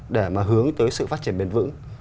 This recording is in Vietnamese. để mà hướng tới sự phát triển bền vững